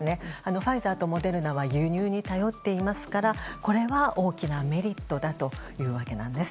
ファイザーとモデルナは輸入に頼っていますからこれは大きなメリットだという訳なんです。